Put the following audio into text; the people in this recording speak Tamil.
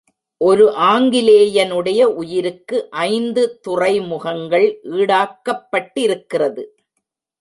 ஒரு ஆங்கிலேயனுடைய உயிருக்கு ஐந்து துறைமுகங்கள் ஈடாக்கப்பட்டிருக்கிறது.